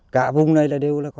cả vùng này đều có